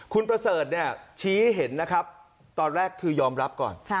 คุณประเสริฐเนี่ยชี้ให้เห็นนะครับตอนแรกคือยอมรับก่อน